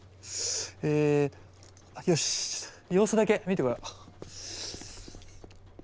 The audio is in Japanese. えよし様子だけ見てこよう。